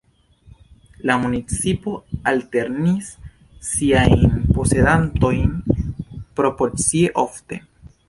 La municipo alternis siajn posedantojn proporcie ofte.